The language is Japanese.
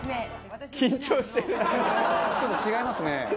「ちょっと違いますね」